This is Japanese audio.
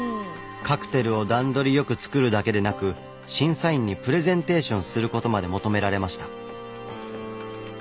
カクテルを段取りよく作るだけでなく審査員にプレゼンテーションすることまで求められました。